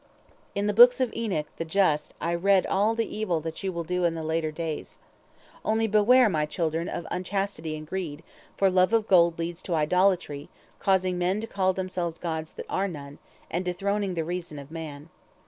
In the books of Enoch the just I read all the evil that ye will do in the latter days. Only beware, my children, of unchastity and greed, for love of gold leads to idolatry, causing men to call them gods that are none, and dethroning the reason of man.